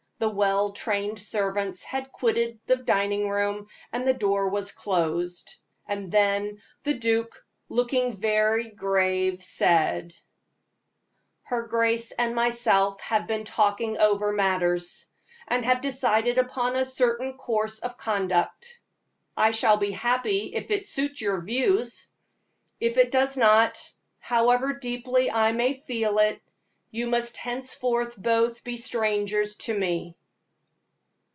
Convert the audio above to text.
The well trained servants had quitted the dining room, the door was closed, and then the duke, looking very grave, said: "Her grace and myself have been talking over matters, and have decided upon a certain course of conduct. I shall be happy if it suits your views, if it does not, however deeply I may feel it, you must henceforth both be strangers to me."